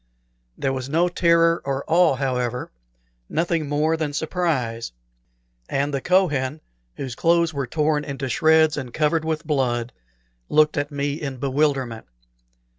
There was no terror or awe, however nothing more than surprise; and the Kohen, whose clothes were torn into shreds and covered with blood, looked at me in bewilderment.